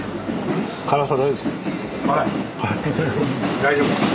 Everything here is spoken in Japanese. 大丈夫！